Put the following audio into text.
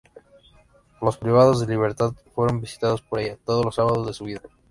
Los privados de libertad fueron visitados por ella todos los sábados de su vida.